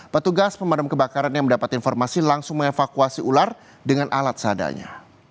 petugas pemadam kebakaran yang mendapat informasi langsung mengevakuasi ular dengan alat seadanya